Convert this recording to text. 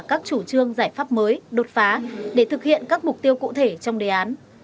các chủ trương giải pháp mới đột phá để thực hiện các mục tiêu cụ thể trong đề án